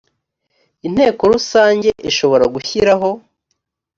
inteko rusange ishobora gushyiraho